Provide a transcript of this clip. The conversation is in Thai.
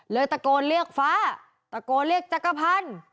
ตะโกนเรียกฟ้าตะโกนเรียกจักรพันธ์